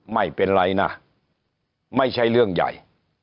ไม่เป็นไรนะไม่ใช่เรื่องใหญ่